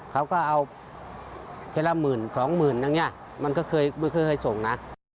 เขาก็เอาแค่ละหมื่นสองหมื่นนั่งเนี่ยมันก็เคยไม่เคยเคยส่งนะ